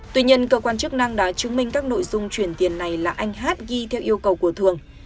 tuy nhiên cơ quan chức năng đã chứng minh các nội dung chuyển tiền này là anh hát ghi theo yêu cầu của thường